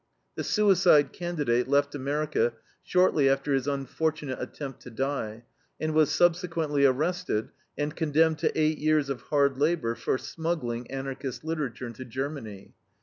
The suicide candidate left America shortly after his unfortunate attempt to die, and was subsequently arrested and condemned to eight years of hard labor for smuggling Anarchist literature into Germany.